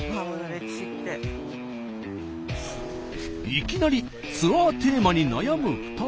いきなりツアーテーマに悩む２人。